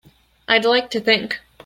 I'd like to think.